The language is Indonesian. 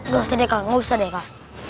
gak usah deh kak gak usah deh kak